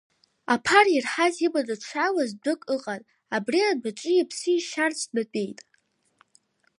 Аԥара ирҳаз иманы дшааиуаз дәык ыҟан, абри адәаҿы иԥсы ишьарц днатәеит.